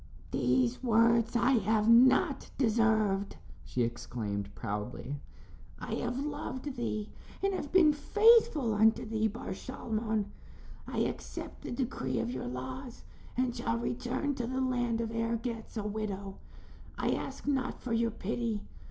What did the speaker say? "These words I have not deserved," she exclaimed, proudly. "I have loved thee, and have been faithful unto thee, Bar Shalmon. I accept the decree of your laws and shall return to the land of Ergetz a widow. I ask not for your pity.